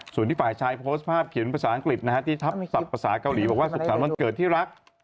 ส่วนที่ฝ่ายชายโพสต์ภาพเขียนเป็นภาษาอังกฤษนะครับที่ทับภาษาเกาหลีบอกว่าสุขภาพนั้นเกิดที่รัก